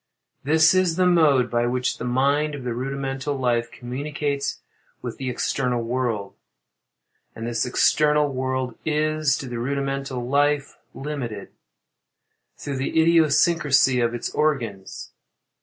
This is the mode by which the mind of the rudimental life communicates with the external world; and this external world is, to the rudimental life, limited, through the idiosyncrasy of its organs.